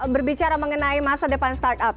berbicara mengenai masa depan start up